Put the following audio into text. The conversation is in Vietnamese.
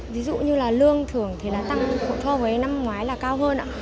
ví dụ như lương thưởng tăng với năm ngoái là cao hơn